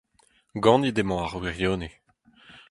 Ganit emañ ar wirionez.